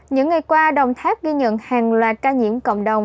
những ngày qua đồng tháp ghi nhận hàng loạt ca nhiễm cộng đồng